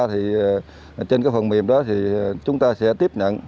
thì trên cái phần mềm đó thì chúng ta sẽ tiếp nhận